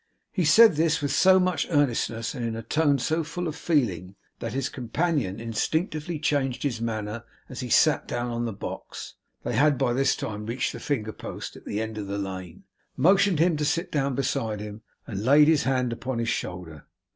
He said this with so much earnestness, and in a tone so full of feeling, that his companion instinctively changed his manner as he sat down on the box (they had by this time reached the finger post at the end of the lane); motioned him to sit down beside him; and laid his hand upon his shoulder.